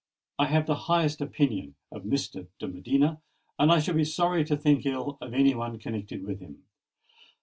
I have the highest opinion of Mr. de Medina, and should be sorry to think ill of any one connected with him.